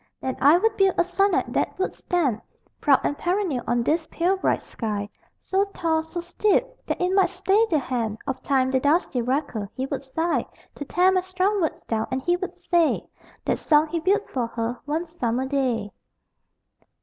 Then I would build a sonnet that would stand Proud and perennial on this pale bright sky; So tall, so steep, that it might stay the hand Of Time, the dusty wrecker. He would sigh To tear my strong words down. And he would say: "That song he built for her, one summer day."